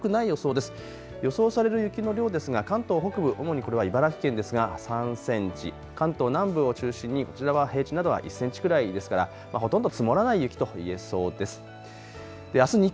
予想される雪の量ですが関東北部主にこれは茨城県ですが３センチ、関東南部を中心にこちらは平地などは１センチくらいですから、ほとんど積もらない雪といえそうです。